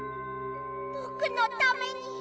ぼくのために。